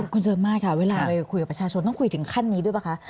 คุณเจินมากตอนที่เรามาคุยกับประชาชนต้องคุยถึงขั้นนี้ด้วยป่ะค่ะ